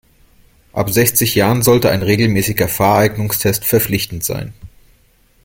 Ab sechzig Jahren sollte ein regelmäßiger Fahreignungstest verpflichtend sein.